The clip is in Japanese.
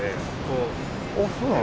ああそうなの？